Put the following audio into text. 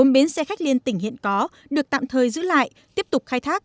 bốn bến xe khách liên tỉnh hiện có được tạm thời giữ lại tiếp tục khai thác